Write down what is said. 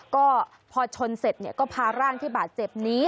ก็พอชนเสร็จก็พาร่างที่บาดเจ็บนี้